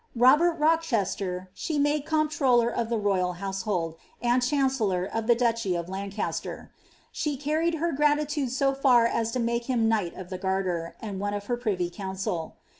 Robert Rouhesier' she made eomplroller of the royal household, and chancellor of ihe durhy of Lanraeler; ahe carried her gratitude so far us to make him knight of the Garter, and one of her privy council.